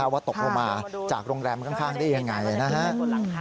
ว่าตกออกมาจากโรงแรมข้างได้อย่างไรนะครับ